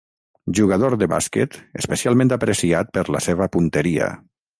Jugador de bàsquet especialment apreciat per la seva punteria.